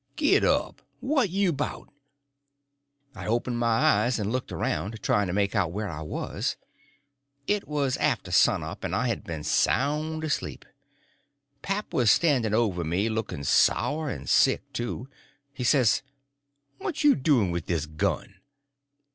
"Git up! What you 'bout?" I opened my eyes and looked around, trying to make out where I was. It was after sun up, and I had been sound asleep. Pap was standing over me looking sour and sick, too. He says: "What you doin' with this gun?"